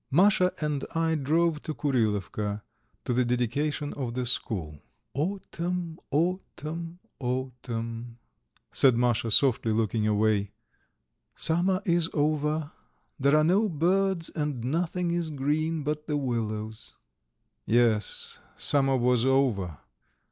XV Masha and I drove to Kurilovka to the dedication of the school. "Autumn, autumn, autumn, ..." said Masha softly, looking away. "Summer is over. There are no birds and nothing is green but the willows." Yes, summer was over.